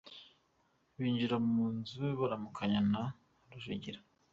Binjira mu nzu baramukanya na Rujugira.